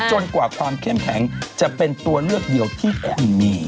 จนกว่าความเข้มแข็งจะเป็นตัวเลือกเดียวที่คุณมี